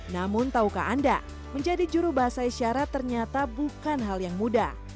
namun tahukah anda menjadi juru bahasa isyarat ternyata bukan hal yang mudah